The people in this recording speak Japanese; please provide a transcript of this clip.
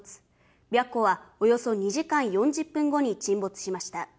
白虎はおよそ２時間４０分後に沈没しました。